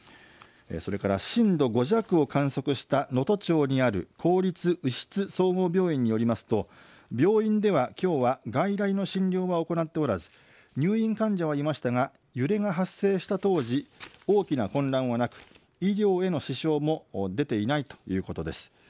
それから震度５弱を観測した能登町にある公立宇出津総合病院によりますと病院ではきょうは外来の診療は行っておらず入院患者はいましたが揺れが発生した当時、大きな混乱はなく医療への支障も出ていないということです。